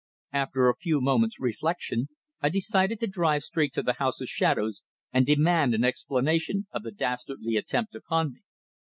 After a few moments' reflection I decided to drive straight to the house of shadows and demand an explanation of the dastardly attempt upon me.